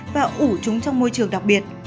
và ủ chúng trong môi trường đặc biệt